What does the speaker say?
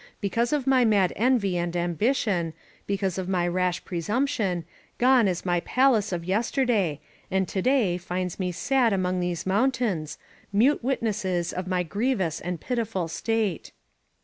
Because of my mad envy and am bition, because of my rash presumption, gone is my palace of yesterday, and to day finds me sad among these mountains, mute witnesses of my grievous and pitiful state.